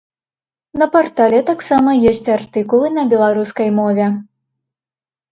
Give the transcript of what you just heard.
На партале таксама ёсць артыкулы на беларускай мове.